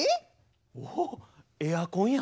おおエアコンやん。